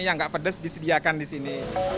yang gak pedas disediakan disini